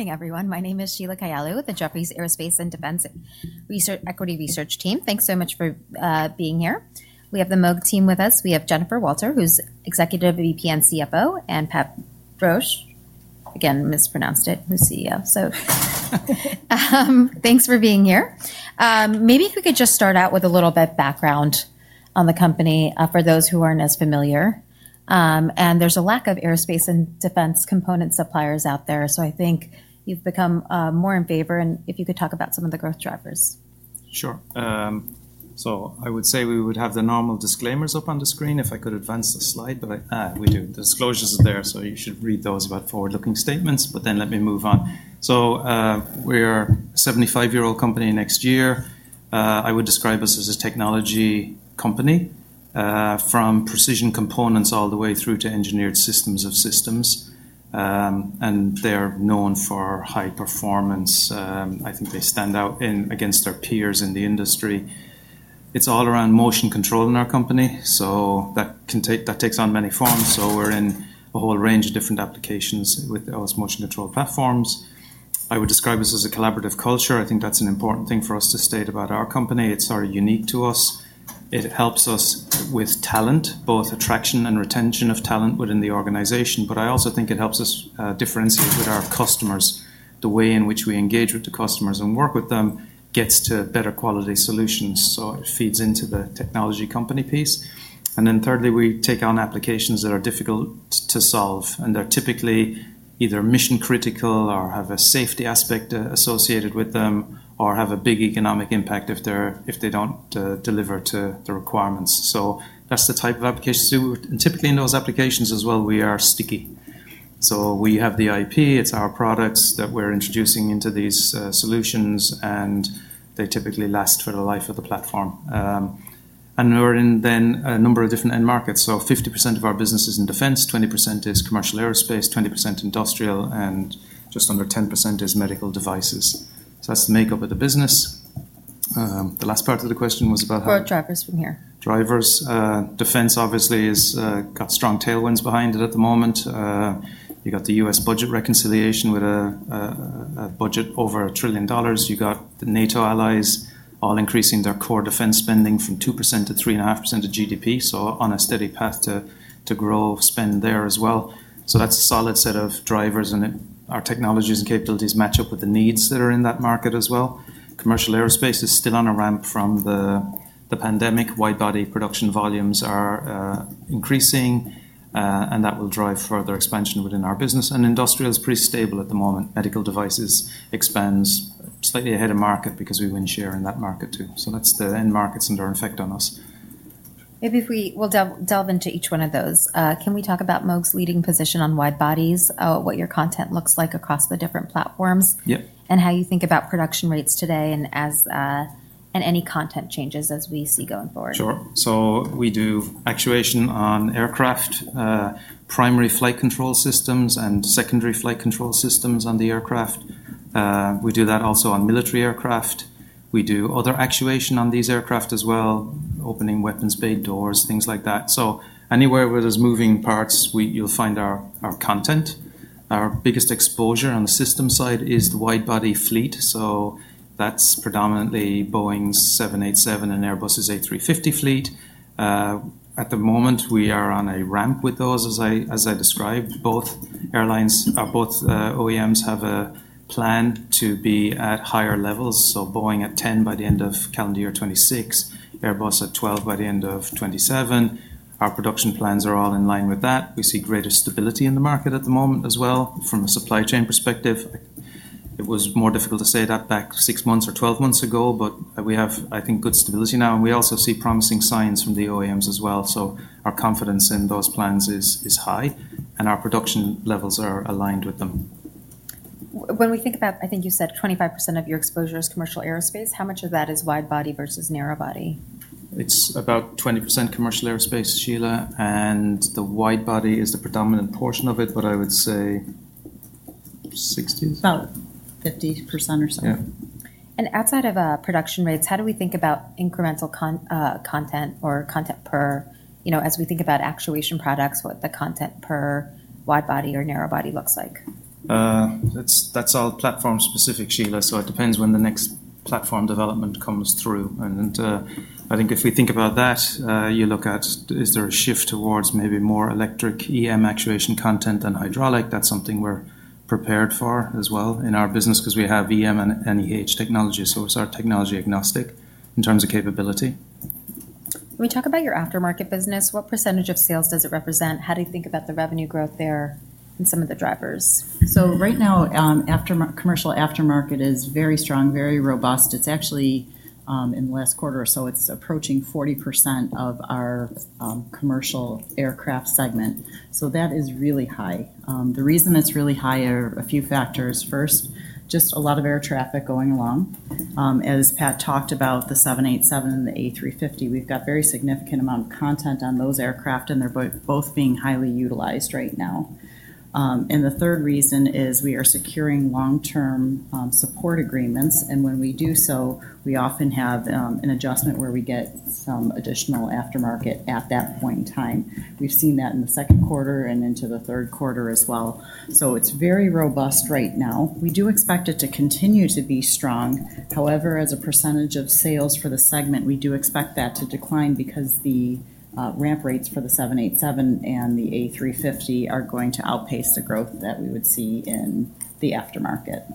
morning, everyone. My name is Sheila Kailu with the Jefferies Aerospace and Defense research equity Thanks so much for being here. We have the MOG team with us. We have Jennifer Walter, who's executive VP and CFO, and Pat Broch. Again, mispronounced it. The CEO. So thanks for being here. Maybe if we could just start out with a little bit background on the company for those who aren't as familiar. And there's a lack of aerospace and defense component suppliers out there, so I think you've become more in favor. And if you could talk about some of the growth drivers. Sure. So I would say we would have the normal disclaimers up on the screen if I could advance the slide, but I we do. Disclosures are there, so you should read those about forward looking statements, but then let me move on. So we're a 75 year old company next year. I would describe us as a technology company from precision components all the way through to engineered systems of systems, and they're known for high performance. I think they stand out in against our peers in the industry. It's all around motion control in our company, so that can take that takes on many forms. So we're in a whole range of different applications with those motion control platforms. I would describe this as a collaborative culture. I think that's an important thing for us to state about our company. It's sort of unique to us. It helps us with talent, both attraction and retention of talent within the organization, but I also think it helps us, differentiate with our customers. The way in which we engage with the customers and work with them gets to better quality solutions. So it feeds into the technology company piece. And then thirdly, we take on applications that are difficult to solve, and they're typically either mission critical or have a safety aspect associated with them or have a big economic impact if they're if they don't, deliver to the requirements. So that's the type of application. So would and typically, in those applications as well, we are sticky. So we have the IP. It's our products that we're introducing into these, solutions, and they typically last for the life of the platform. And we're in then a number of different end markets. So 50% of our business is in defense, 20% is commercial aerospace, 20% industrial, and just under 10% is medical devices. So that's the makeup of the business. The last part of the question was about how drivers from here. Drivers. Defense obviously has got strong tailwinds behind it at the moment. You got The US budget reconciliation with a budget over a trillion dollars. You got the NATO allies all increasing their core defense spending from 2% to three and a half percent of GDP, so on a steady path to to grow spend there as well. So that's a solid set of drivers, and our technologies and capabilities match up with the needs that are in that market as well. Commercial aerospace is still on a ramp from the pandemic. Wide body production volumes are increasing, and that will drive further expansion within our business. And industrial is pretty stable at the moment. Medical devices expands slightly ahead of market because we win share in that market too. So that's the end markets and their effect on us. Maybe if we we'll delve delve into each one of those. Can we talk about Moog's leading position on wide bodies, what your content looks like across the different platforms Yep. And how you think about production rates today and as, and any content changes as we see going forward. Sure. So we do actuation on aircraft, primary flight control systems, and secondary flight control systems on the aircraft. We do that also on military aircraft. We do other actuation on these aircraft as well, opening weapons bay doors, things like that. So anywhere where there's moving parts, we you'll find our our content. Our biggest exposure on the system side is the wide body fleet, so that's predominantly Boeing's seven eight seven and Airbus's eight three fifty fleet. At the moment, we are on a ramp with those as I as I described. Both airlines both OEMs have a plan to be at higher levels. So Boeing at ten by the end of calendar year '26, Airbus at twelve by the '27. Our production plans are all in line with that. We see greater stability in the market at the moment as well from a supply chain perspective. It was more difficult to say that back six months or twelve months ago, but we have, I think, good stability now. We also see promising signs from the OEMs as well. So our confidence in those plans is is high, and our production levels are aligned with them. When we think about I think you said 25% of your exposure is commercial aerospace. How much of that is wide body versus narrow body? It's about 20% commercial aerospace, Sheila, and the wide body is the predominant portion of it, but I would say sixties. About 50% or something. And outside of production rates, how do we think about incremental con content or content per you know, as we think about actuation products, what the content per wide body or narrow body looks like? That's that's all platform specific, Sheila. So it depends when the next platform development comes through. And I think if we think about that, you look at is there a shift towards maybe more electric EM actuation content than hydraulic. That's something we're prepared for as well in our business because we have EM and NEH technology, so it's our technology agnostic in terms of capability. Can we talk about your aftermarket business? What percentage of sales does it represent? How do you think about the revenue growth there and some of the drivers? So right now, after commercial aftermarket is very strong, very robust. It's actually, in the last quarter or so, it's approaching 40% of our commercial aircraft segment. So that is really high. The reason it's really higher, a few factors. First, just a lot of air traffic going along. As Pat talked about, the July and the A350, we've got very significant amount of content on those aircraft and they're both being highly utilized right now. And the third reason is we are securing long term, support agreements and when we do so, we often have an adjustment where we get some additional aftermarket at that point in time. We've seen that in the second quarter and into the third quarter as well. So it's very robust right now. We do expect it to continue to be strong. However, as a percentage of sales for the segment, we do expect that to decline because the, ramp rates for the July and the A350 are going to outpace the growth that we would see in the aftermarket.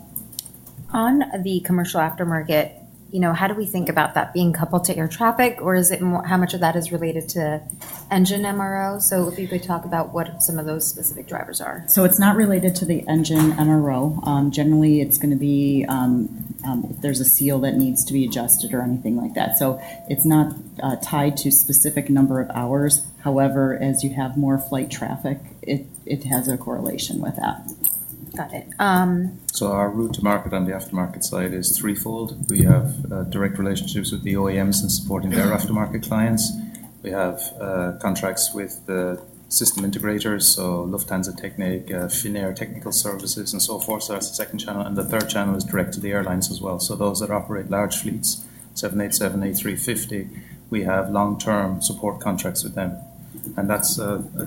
On the commercial aftermarket, you know, how do we think about that being coupled to air traffic, or is it more how much of that is related to engine MRO? So if you could talk about what some of those specific drivers are. So it's not related to the engine MRO. Generally, it's gonna be, if there's a seal that needs to be adjusted or anything like that. It's not tied to specific number of hours. However, as you have more flight traffic, it has a correlation with that. Got it. So our route to market on the aftermarket side is threefold. We have direct relationships with the OEMs and supporting their aftermarket clients. We have contracts with the system integrators, so Lufthansa Technique, Finnair Technical Services and so forth And the third channel is direct to the airlines as well. So those that operate large fleets, seven eighty seven, a three fifty, we have long term support contracts with them. And that's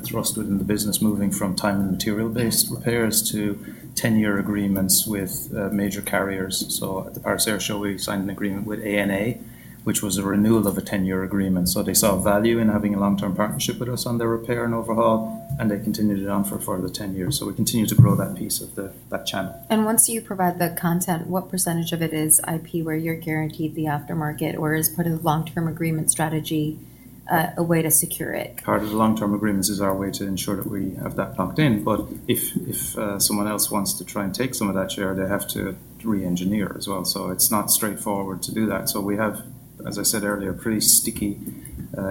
thrust within the business moving from time and material based repairs to ten year agreements with major carriers. So at the Paris Air Show, we signed an agreement with ANA, which was a renewal of a ten year agreement. So they saw value in having a long term partnership with us on their repair and overhaul, and they continued it on for for the ten years. So we continue to grow that piece of the that channel. And once you provide the content, what percentage of it is IP where you're guaranteed the aftermarket, or is part of the long term agreement strategy a way to secure it? Part of the long term agreements is our way to ensure that we have that plugged in. But if if someone else wants to try and take some of that share, they have to reengineer as well. So it's not straightforward to do that. So we have, as I said earlier, pretty sticky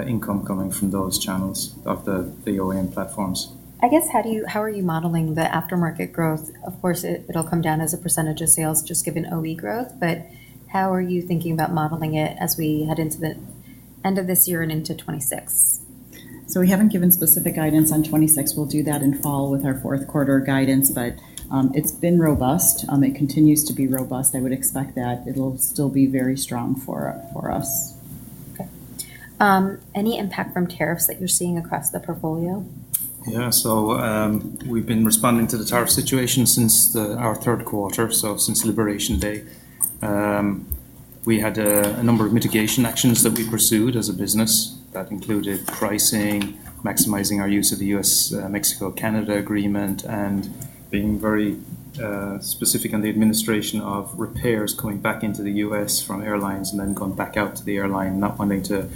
income coming from those channels of the OEM platforms. I guess how do you how are you modeling the aftermarket growth? Of course, it'll come down as a percentage of sales just given OE growth, but how are you thinking about modeling it as we head into the end of this year and into '26? So we haven't given specific guidance on '26. We'll do that in fall with our fourth quarter guidance, but it's been robust. It continues to be robust. Would expect that it will still be very strong for us. Okay. Any impact from tariffs that you're seeing across the portfolio? Yeah, so we've been responding to the tariff situation since our third quarter, so since Liberation Day. We had a number of mitigation actions that we pursued as a business that included pricing, maximizing our use of The U. S.-Mexico Canada agreement and being very specific on the administration of repairs coming back into The U. S. From airlines and then going back out to the airline, not wanting to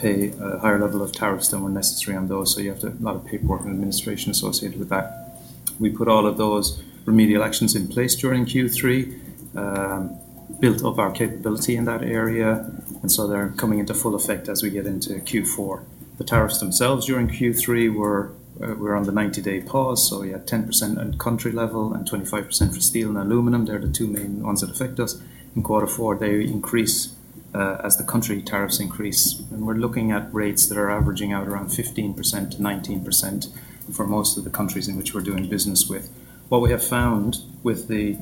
pay a higher level of tariffs than were necessary on those. So you have to a lot of paperwork and administration associated with that. We put all of those remedial actions in place during Q3, built up our capability in that area, and so they're coming into full effect as we get into Q4. The tariffs themselves during Q3 were on the ninety day pause, so we had 10% on country level and 25% for steel and aluminum. They are the two main ones that affect us. In quarter four, they increase as the country tariffs increase. And we're looking at rates that are averaging out around 15% to 19% for most of the countries in which we're doing business with. What we have found with the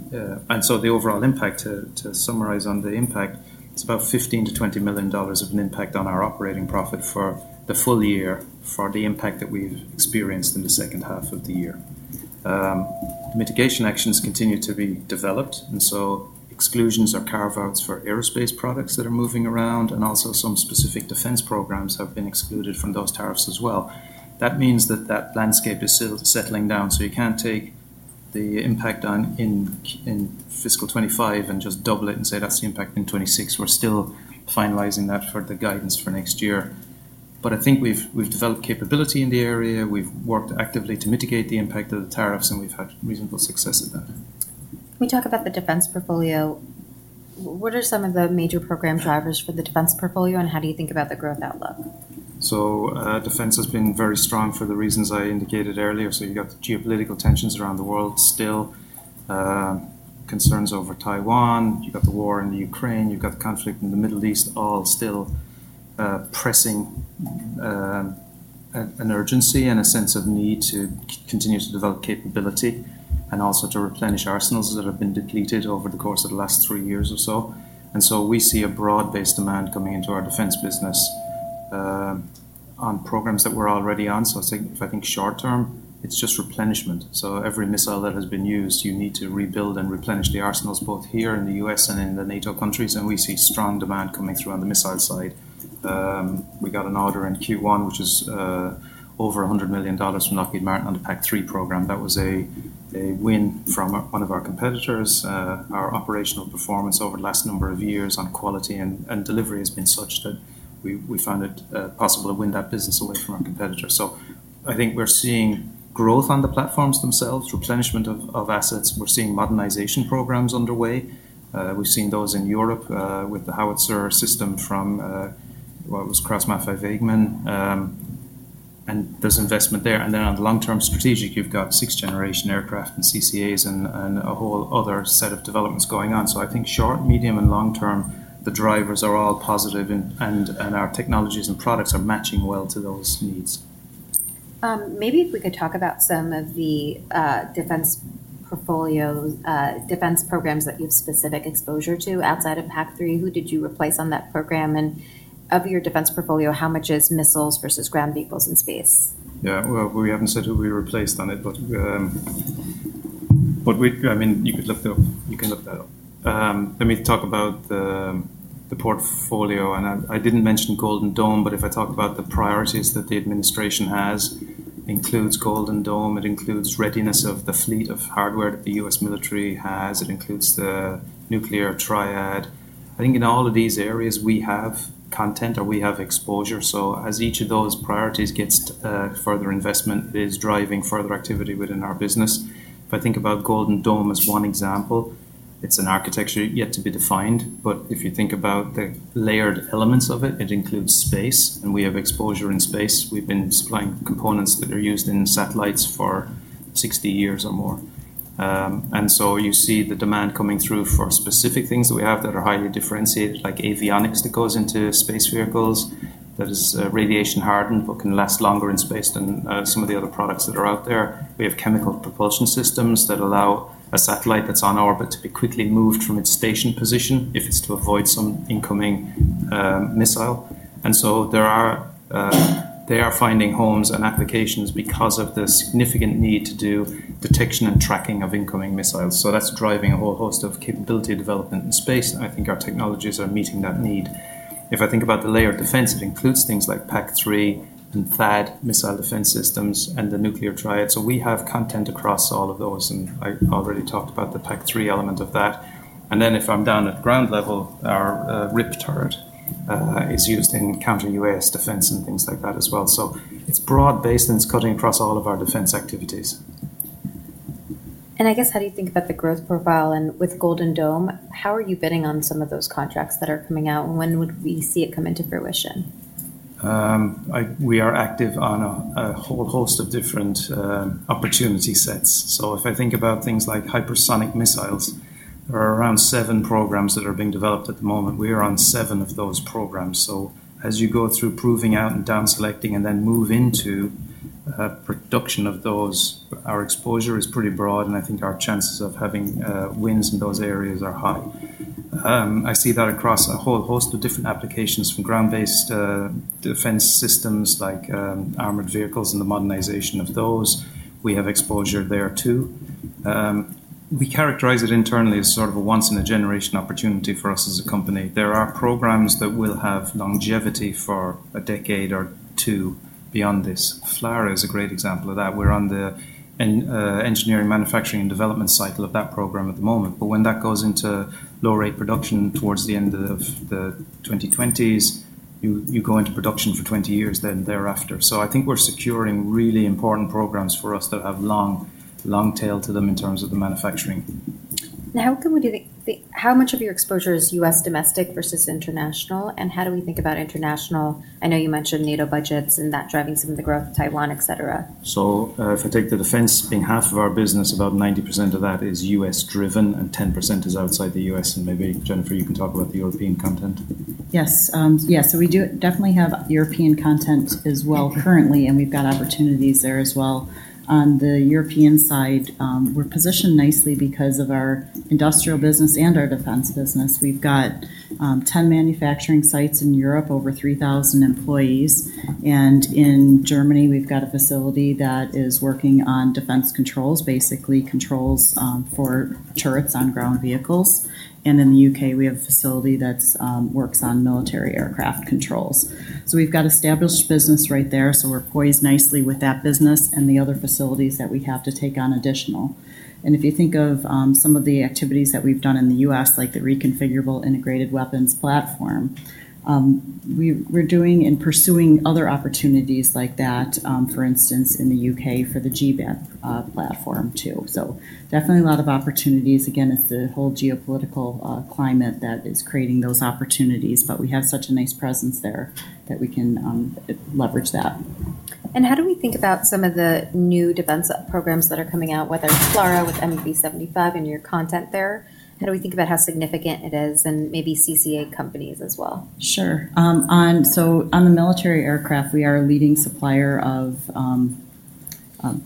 and so the overall impact, to summarize on the impact, it's about 15,000,000 to $20,000,000 of an impact on our operating profit for the full year for the impact that we've experienced in the second half of the year. Mitigation actions continue to be developed, and so exclusions or carve outs for aerospace products that are moving around and also some specific defense programs have been excluded from those tariffs as well. That means that that landscape is still settling down. So you can't take the impact on in in fiscal twenty five and just double it and say that's the impact in '26. We're still finalizing that for the guidance for next year. But I think we've we've developed capability in the area. We've worked actively to mitigate the impact of the tariffs, and we've had reasonable success with that. Can we talk about the defense portfolio? What are some of the major program drivers for the defense portfolio, and how do you think about the growth outlook? So defense has been very strong for the reasons I indicated earlier. So you got geopolitical tensions around the world still, concerns over Taiwan. You got the war in The Ukraine. You've got conflict in The Middle East all still pressing urgency and a sense of need to continue to develop capability and also to replenish arsenals that have been depleted over the course of the last three years or so. And so we see a broad based demand coming into our defense business, on programs that we're already on. So I think I think short term, it's just replenishment. So every missile that has been used, you need to rebuild and replenish the arsenals both here in The US and in the NATO countries, and we see strong demand coming through on the missile side. We got an order in q one, which is over a $100,000,000 from Lockheed Martin on the PAC three program. That was a a win from one of our competitors. Our operational performance over the last number of years on quality and delivery has been such that we found it possible to win that business away from our competitors. So I think we're seeing growth on the platforms themselves, replenishment of assets. We're seeing modernization programs underway. We've seen those in Europe with the Howitzer system from well, it was Kraumat five Wegmann, and there's investment there. And then on the long term strategic, you've got sixth generation aircraft and CCAs and and a whole other set of developments going on. So I think short, medium, and long term, the drivers are all positive and and and our technologies and products are matching well to those needs. Maybe if we could talk about some of the defense portfolio, defense programs that you have specific exposure to outside of PAC three. Who did you replace on that program? And of your defense portfolio, how much is missiles versus ground vehicles in space? Yeah. Well, we haven't said who we replaced on it, but what we I mean, you could look that up. You can look that up. Let me talk about the the portfolio, and I I didn't mention Golden Dome, if I talk about the priorities that the administration has, includes Golden Dome. It includes readiness of the fleet of hardware that the US military has. It includes the nuclear triad. I think in all of these areas, we have content or we have exposure. So as each of those priorities gets further investment is driving further activity within our business. If I think about Golden Dome as one example, it's an architecture yet to be defined. But if you think about the layered elements of it, it includes space, and we have exposure in space. We've been supplying components that are used in satellites for sixty years or more. And so you see the demand coming through for specific things that we have that are highly differentiated, like avionics that goes into space vehicles, that is radiation hardened, but can last longer in space than some of the other products that are out there. We have chemical propulsion systems that allow a satellite that's on orbit to be quickly moved from its station position if it's to avoid some incoming missile. And so there are they are finding homes and applications because of the significant need to do detection and tracking of incoming missiles. So that's driving a whole host of capability development in space, and I think our technologies are meeting that need. If I think about the layer of defense, it includes things like PAC three and THAAD missile defense systems and the nuclear triad. So we have content across all of those, and I already talked about the PAC three element of that. And then if I'm down at ground level, our RIP turret is used in counter US defense and things like that as well. So it's broad based and it's cutting across all of our defense activities. And I guess how do you think about the growth profile? And with Golden Dome, how are you bidding on some of those contracts that are coming out? When would we see it come into fruition? I we are active on a a whole host of different opportunity sets. So if I think about things like hypersonic missiles, there are around seven programs that are being developed at the moment. We are on seven of those programs. So as you go through proving out and down selecting and then move into, production of those, our exposure is pretty broad, and I think our chances of having wins in those areas are high. I see that across a whole host of different applications from ground based defense systems like armored vehicles and the modernization of those. We have exposure there too. We characterize it internally as sort of a once in a generation opportunity for us as a company. There are programs that will have longevity for a decade or two beyond this. Flara is a great example of that. We're on the engineering manufacturing and development cycle of that program at the moment, but when that goes into low rate production towards the end of the twenty twenties, you you go into production for twenty years then thereafter. So I think we're securing really important programs for us that have long long tail to them in terms of the manufacturing. Now how can we do the the how much of your exposure is US domestic versus international? And how do we think about international? I know you mentioned NATO budgets and that driving some of the growth, Taiwan, etcetera. So if I take the defense being half of our business, about 90% of that is US driven and 10% is outside The US and maybe Jennifer, you can talk about the European content. Yes. Yes. So we do definitely have European content as well currently and we've got opportunities there as well. On the European side, we're positioned nicely because of our industrial business and our defense business. We've got 10 manufacturing sites in Europe, over 3,000 employees. And in Germany, we've got a facility that is working on defense controls, basically controls for turrets on ground vehicles. And in The UK, we have a facility that works on military aircraft controls. So we've got established business right there, so we're poised nicely with that business and the other facilities that we have to take on additional. And if you think of, some of the activities that we've done in The U. S. Like the reconfigurable integrated weapons platform, we're doing and pursuing other opportunities like that, for instance, in The UK for the GBAT platform too. So definitely a lot of opportunities. Again, it's a whole geopolitical climate that is creating those opportunities, but we have such a nice presence there that we can leverage that. And how do we think about some of the new defense programs that are coming out with FLARA with MEV 75 and your content there? How do we think about how significant it is and maybe CCA companies as well? Sure. On so on the military aircraft, we are a leading supplier of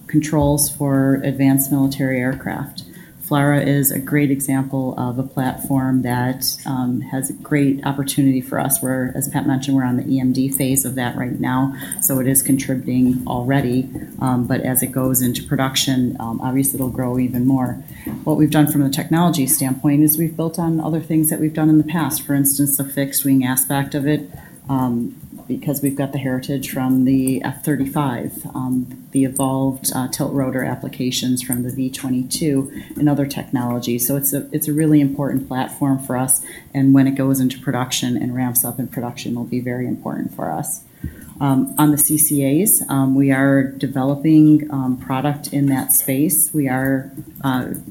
controls for advanced military aircraft. FLARA is a great example of a platform that, has a great opportunity for us where, as Pat mentioned, we're on the EMD phase of that right now, so it is contributing already. But as it goes into production, obviously it will grow even more. What we've done from a technology standpoint is we've built on other things that we've done in the past, for instance, the fixed wing aspect of it because we've got the heritage from the F-thirty five, the evolved tilt rotor applications from the V-twenty two and other technologies. It's a really important platform for us. And when it goes into production and ramps up in production, will be very important for us. On the CCAs, we are developing product in that space. We are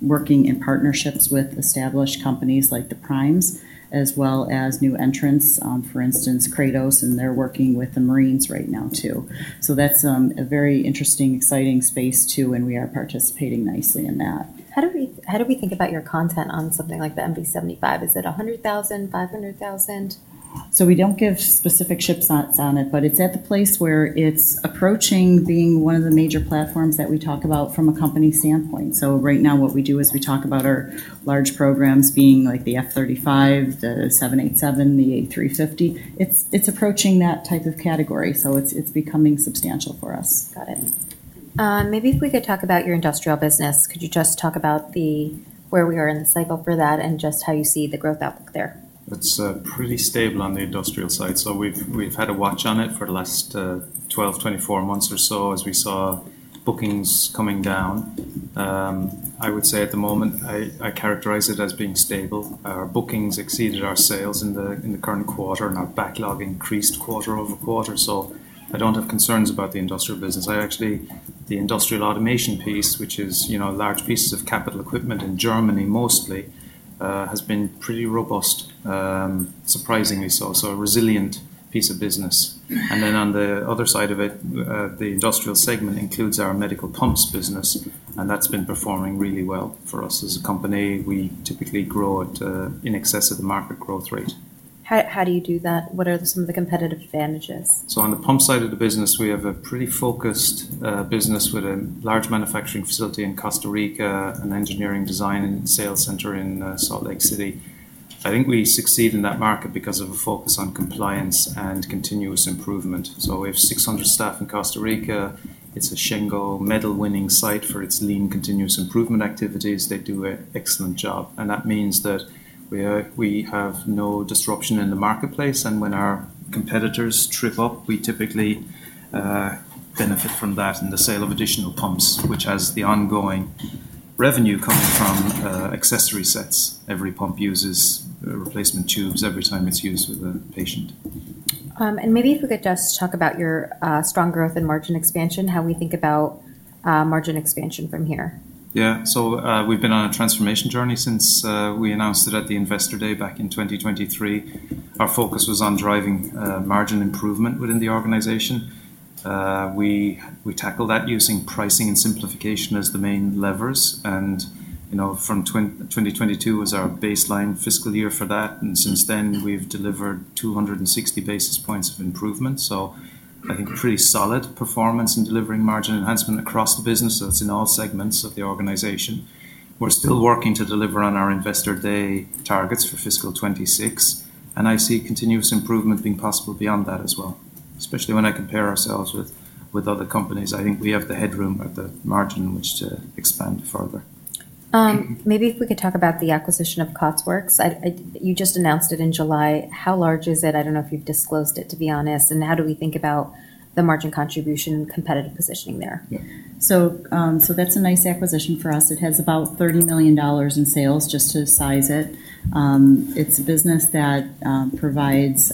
working in partnerships with established companies like the Primes as well as new entrants, for instance, Kratos, and they're working with the marines right now too. So that's, a very interesting, exciting space too, and we are participating nicely in that. How do we how do we think about your content on something like the m v 75? Is it a $105,100,000? So we don't give specific ship sites on it, but it's at the place where it's approaching being one of the major platforms that we talk about from a company standpoint. So right now, what we do is we talk about our large programs being like the f 35, the seven eighty seven, the a three fifty. It's it's approaching that type of category. So it's it's becoming substantial for us. Got it. Maybe if we could talk about your industrial business. Could you just talk about the where we are in the cycle for that and just how you see the growth outlook there? It's pretty stable on the industrial side. So we've we've had a watch on it for the last twelve, twenty four months or so as we saw bookings coming down. I would say at the moment, I I characterize it as being stable. Our bookings exceeded our sales in the in the current quarter, and our backlog increased quarter over quarter. So I don't have concerns about the industrial business. I actually the industrial automation piece, which is, you know, large pieces of capital equipment in Germany mostly, has been pretty robust, surprisingly so, so a resilient piece of business. And then on the other side of it, the industrial segment includes our medical pumps business, and that's been performing really well for us. As a company, we typically grow it, in excess of the market growth rate. How how do you do that? What are some of the competitive advantages? So on the pump side of the business, we have a pretty focused business with a large manufacturing facility in Costa Rica, an engineering design and sales center in Salt Lake City. I think we succeed in that market because of a focus on compliance and continuous improvement. So we have 600 staff in Costa Rica. It's a Schengo medal winning site for its lean continuous improvement activities. They do an excellent job, and that means that we have no disruption in the marketplace. And when our competitors trip up, we typically benefit from that and the sale of additional pumps, which has the ongoing revenue coming from accessory sets. Every pump uses replacement tubes every time it's used with a patient. And maybe if we could just talk about your strong growth and margin expansion, how we think about margin expansion from here. Yeah. So we've been on a transformation journey since we announced it at the Investor Day back in 2023. Our focus was on driving margin improvement within the organization. We we tackle that using pricing and simplification as the main levers. And, you know, from twin 2022 was our baseline fiscal year for that. And since then, we've delivered 260 basis points of improvement. So I think pretty solid performance in delivering margin enhancement across the businesses in all segments of the organization. We're still working to deliver on our Investor Day targets for fiscal twenty six, and I see continuous improvement being possible beyond that as well, especially when I compare ourselves with with other companies. I think we have the headroom at the margin in which to expand further. Maybe if we could talk about the acquisition of KotzWorks. I I you just announced it in July. How large is it? I don't know if you've disclosed it, to be honest. And how do we think about the margin contribution and competitive positioning there? So that's a nice acquisition for us. It has about $30,000,000 in sales just to size it. It's a business that provides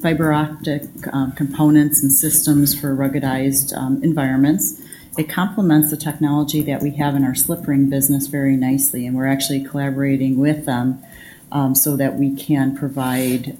fiber optic components and systems for ruggedized environments. It complements the technology that we have in our slip ring business very nicely and we're actually collaborating with them so that we can provide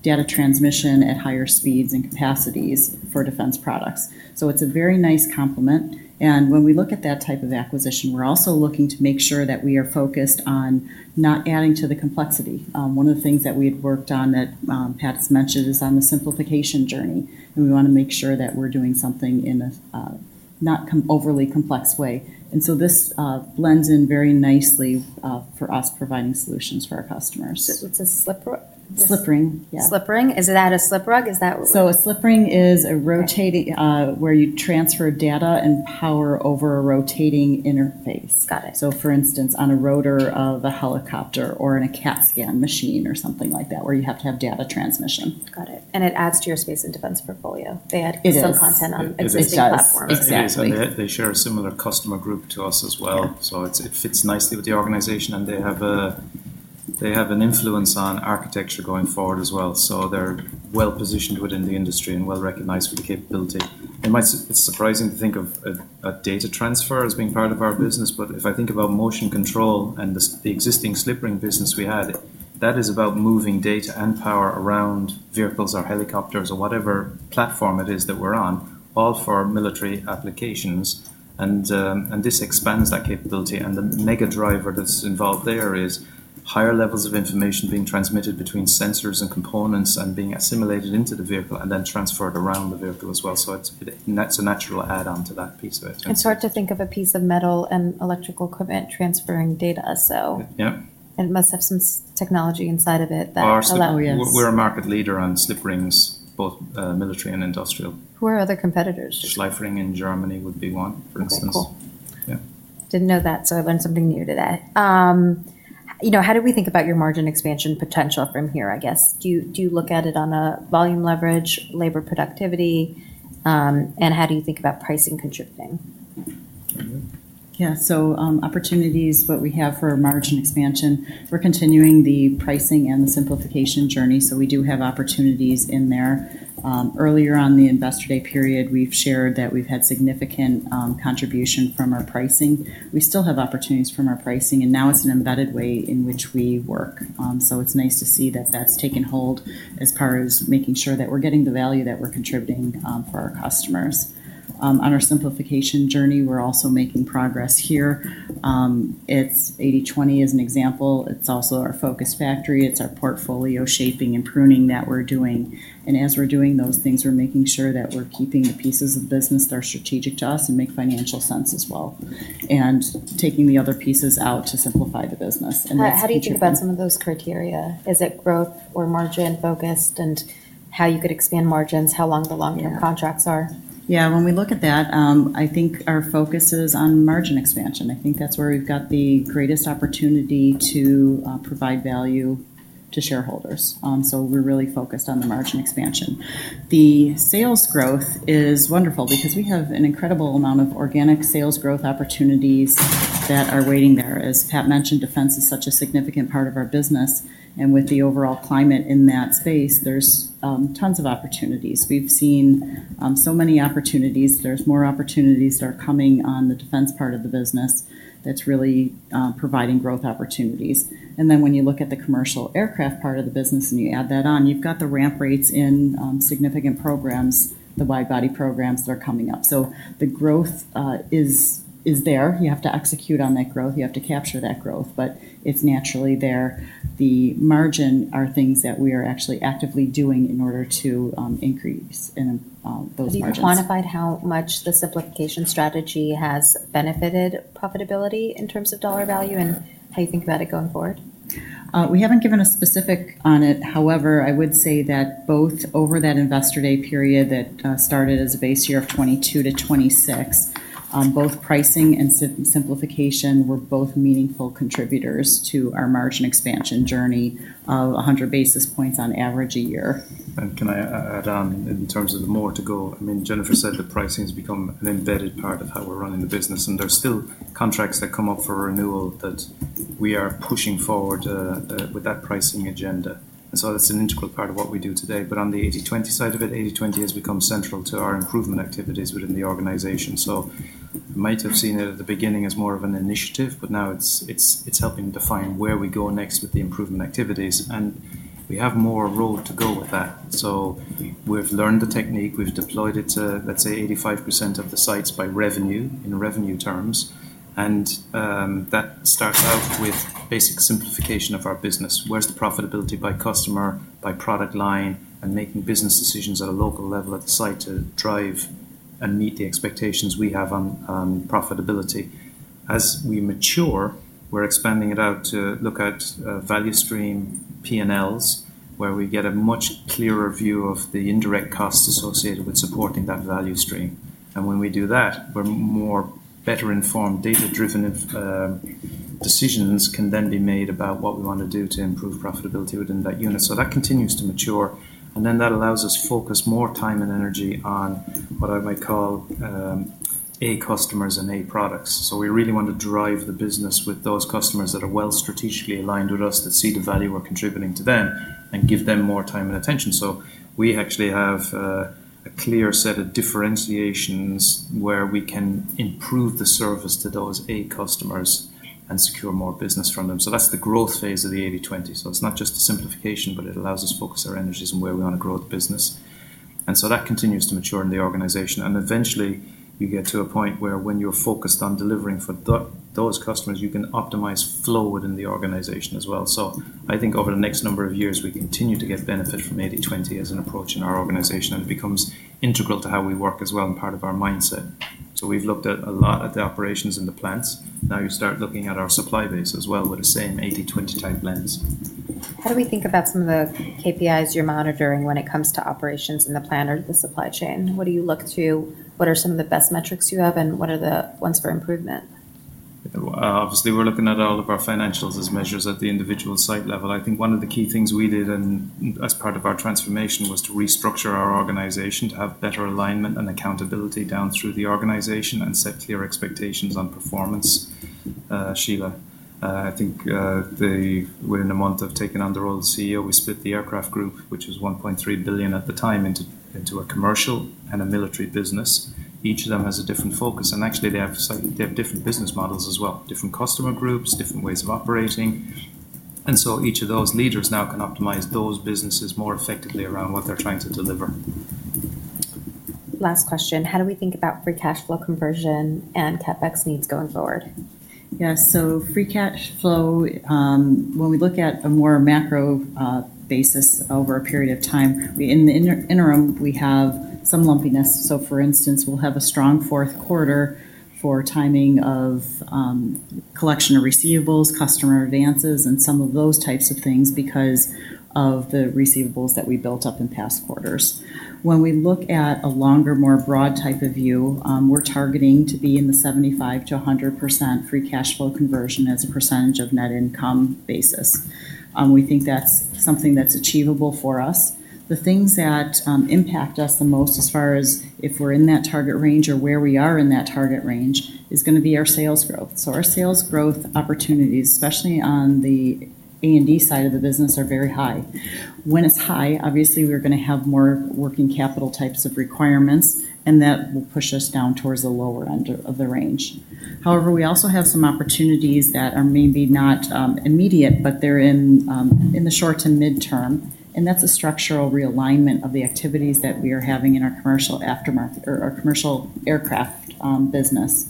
data transmission at higher speeds and capacities for defense products. So it's a very nice complement. And when we look at that type of acquisition, we're also looking to make sure that we are focused on not adding to the complexity. One of the things that we had worked on that, Pat has mentioned is on the simplification journey, and we wanna make sure that we're doing something in a not overly complex way. And so this, blends in very nicely, for us providing solutions for our customers. So it's a slip Slipping. Yeah. Slipping? Is that a slip rug? Is that So a slip ring is a rotating where you transfer data and power over a rotating interface. Got it. So for instance, on a rotor of a helicopter or in a CAT scan machine or something like that where you have to have data transmission. Got it. And it adds to your space and defense portfolio. They add It is. Some content on existing platforms. Exactly. They share a similar customer group to us as well. So it's it fits nicely with the organization, and they have a they have an influence on architecture going forward as well. So they're well positioned within the industry and well recognized with the capability. It might it's surprising to think of a data transfer as being part of our business, but if I think about motion control and the existing slippering business we had, that is about moving data and power around vehicles or helicopters or whatever platform it is that we're on, all for military applications. And and this expands that capability, and the mega driver that's involved there is higher levels of information being transmitted between sensors and components and being assimilated into the vehicle and then transferred around the vehicle as well. So it's that's a natural add on to that piece of it. It's hard to think of a piece of metal and electrical equipment transferring data. So Yeah. It must have some technology inside of it that allow you to We're market leader on slip rings, both military and industrial. Who are other competitors? Schleifring in Germany would be one, for instance. Yeah. Didn't know that, so I learned something new today. How do we think about your margin expansion potential from here, I guess? Do you look at it on a volume leverage, labor productivity? And how do you think about pricing contributing? Yes. So opportunities, what we have for margin expansion, we're continuing the pricing and the simplification journey, so we do have opportunities in there. Earlier on the Investor Day period, we've shared that we've had significant contribution from our pricing. We still have opportunities from our pricing and now it's an embedded way in which we work. So it's nice to see that that's taken hold as far as making sure that we're getting the value that we're contributing for our customers. On our simplification journey, we're also making progress here. It's eightytwenty as an example. It's also our focus factory. It's our portfolio shaping and pruning that we're doing. And as we're doing those things, we're making sure that we're keeping the pieces of business that are strategic to us and make financial sense as and taking the other pieces out to simplify the business. That's Right. How do you think about some of those criteria? Is it growth or margin focused and how you could expand margins? How long the long term contracts are? Yeah. When we look at that, I think our focus is expansion. I think that's where we've got the greatest opportunity to, provide value to shareholders. So we're really focused on the margin expansion. The sales growth is wonderful because we have an incredible amount of organic sales growth opportunities that are waiting there. As Pat mentioned, defense is such a significant part of our business and with the overall climate in that space, there's, tons of opportunities. We've seen, so many opportunities. There's more opportunities that are coming on the defense part of the business that's really, providing growth opportunities. And then when you look at the commercial aircraft part of the business and you add that on, you've got the ramp rates in, significant programs, the wide body programs that are coming up. So the growth is there. You have to execute on that growth. You have to capture that growth, but it's naturally there. The margin are things that we are actually actively doing in order to increase in those Have quantified how much the simplification strategy has benefited profitability in terms of dollar value and how you think about it going forward? We haven't given a specific on it. However, I would say that both over that Investor Day period that, started as a base year of twenty two to '26, Both pricing and simplification were both meaningful contributors to our margin expansion journey of 100 basis points on average a year. And can I add on in terms of more to go? I mean, Jennifer said that pricing has become an embedded part of how we're running the business, and there are still contracts that come up for renewal that we are pushing forward with that pricing agenda. And so that's an integral part of what we do today. But on the eighty twenty side of it, eighty twenty has become central to our improvement activities within the organization. So you might have seen it at the beginning as more of an initiative, but now it's it's it's helping define where we go next with the improvement activities, and we have more road to go with that. So we've learned the technique. We've deployed it to, let's say, 85% of the sites by revenue, in revenue terms, and that starts out with basic simplification of our business. Where's the profitability by customer, by product line, and making business decisions at a local level at the site to drive and meet the expectations we have on profitability. As we mature, we're expanding it out to look at value stream p and l's where we get a much clearer view of the indirect costs associated with supporting that value stream. And when we do that, we're more better informed, data driven decisions can then be made about what we wanna do to improve profitability within that unit. So that continues to mature, and then that allows us focus more time and energy on what I might call a customers and a products. So we really want to drive the business with those customers that are well strategically aligned with us to see the value we're contributing to them and give them more time and attention. So we actually have a clear set of differentiations where we can improve the service to those eight customers and secure more business from them. So that's the growth phase of the eightytwenty. So it's not just the simplification, but it allows us to focus our energies on where we want to grow the business. And so that continues to mature in the organization, and eventually, you get to a point where when you're focused on delivering for those customers, you can optimize flow within the organization as well. So I think over the next number of years, we continue to get benefit from eightytwenty as an approach in our organization, and it becomes integral to how we work as well and part of our mindset. So we've looked at a lot of the operations in the plants. Now you start looking at our supply base as well with the same eightytwenty type lens. How do we think about some of the KPIs you're monitoring when it comes to operations in the plant or the supply chain? What do you look to? What are some of the best metrics you have, and what are the ones for improvement? Obviously, we're looking at all of our financials as measures at the individual site level. I think one of the key things we did and as part of our transformation was organization to have better alignment and accountability down through the organization and set clear expectations on performance, Sheila. I think they within a month of taking on the role of CEO, we split the aircraft group, which is 1,300,000,000.0 at the time, into into a commercial and a military business. Each of them has a different focus, and actually, they have some they have different business models as well, different customer groups, different ways of operating. And so each of those leaders now can optimize those businesses more effectively around what they're trying to deliver. Last question, how do we think about free cash flow conversion and CapEx needs going forward? Yes. So free cash flow, when we look at a more macro basis over a period of time, in the interim, we have some lumpiness. So for instance, we'll have a strong fourth quarter for timing of collection of receivables, customer advances and some of those types of things because of the receivables that we built up in past quarters. When we look at a longer, more broad type of view, we're targeting to be in the 75% to 100% free cash flow conversion as a percentage of net income basis. We think that's something that's achievable for us. The things that impact us the most as far as if we're in that target range or where we are in that target range is going to be our sales growth. So our sales growth opportunities, especially on the A and D side of the business are very high. When it's high, obviously, we're going to have more working capital types of requirements and that will push us down towards the lower end of the range. However, we also have some opportunities that are maybe not immediate, but they're in the short to mid term And that's a structural realignment of the activities that we are having in our commercial aftermarket or our commercial aircraft business.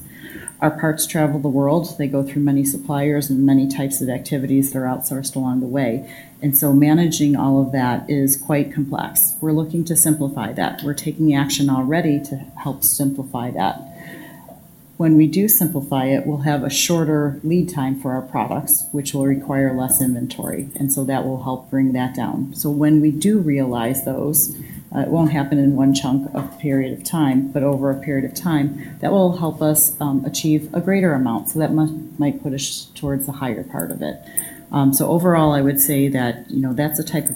Our parts travel the world. They go through many suppliers and many types of activities. They're outsourced along the way. And so managing all of that is quite complex. We're looking to simplify that. We're taking action already to help simplify that. When we do simplify it, we'll have a shorter lead time for our products, which will require less inventory, and so that will help bring that down. So when we do realize those, it won't happen in one chunk of period of time, but over a period of time, that will help us, achieve a greater amount. So that must might put us towards the higher part of it. So overall, I would say that, you know, that's the type of